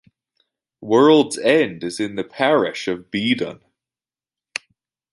World's End is in the parish of Beedon.